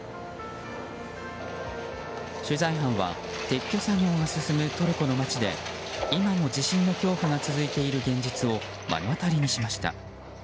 取材班は撤去作業が進むトルコの街で今も、地震の恐怖が続いている現実を目の当たりにしました。